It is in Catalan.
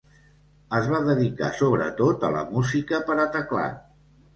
Es va dedicar sobretot a la música per a teclat.